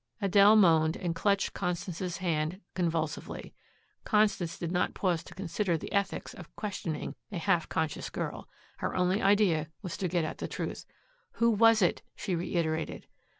Adele moaned and clutched Constance's hand convulsively. Constance did not pause to consider the ethics of questioning a half unconscious girl. Her only idea was to get at the truth. "Who was it?" she reiterated.